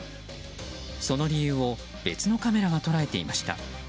その理由を別のカメラが捉えていました。